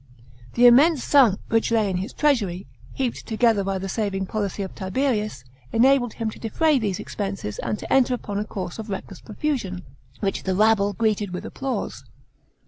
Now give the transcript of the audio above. The immense sums which lay in the treasury, heaped together by the saving policy of Tiberius, enabled him to defray these expenses and to enter upon a course of reckless profusion, which the rabble greeted with applause.